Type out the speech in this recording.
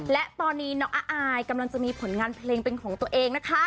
และตอนนี้น้องอายกำลังจะมีผลงานเพลงเป็นของตัวเองนะคะ